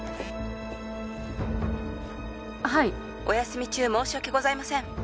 お休み中申し訳ございません